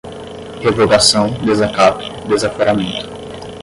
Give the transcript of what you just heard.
revogação, desacato, desaforamento